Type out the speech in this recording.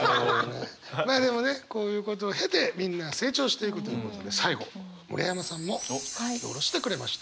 まあでもねこういうことを経てみんな成長していくということで最後村山さんも書き下ろしてくれました。